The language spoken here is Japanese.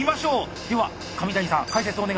では上谷さん解説お願いします。